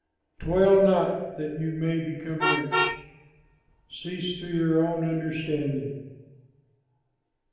Toil not that you may become rich; Cease through your own understanding.